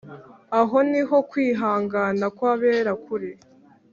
Aho niho kwihangana kw‟abera kuri,